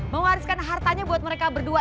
mewariskan hartanya buat mereka berdua